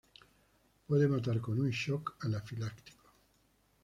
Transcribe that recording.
Puede matar con un "Shock anafiláctico".